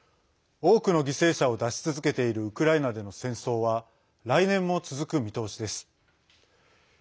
多くの犠牲者を出し続けているウクライナでの戦争は来年も続く見通しです。